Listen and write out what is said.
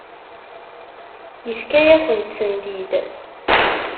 Yefka-yakent-tent-id.